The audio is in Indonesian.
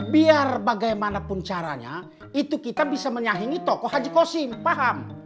biar bagaimanapun caranya itu kita bisa menyahingi toko haji kosing paham